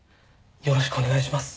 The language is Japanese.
よろしくお願いします。